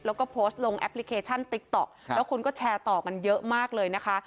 แล้วก็โพสต์ลงแอปพลิเคชันติ๊กต๊อกแล้วคนก็แชร์ต่อกันเยอะมากเลยนะคะ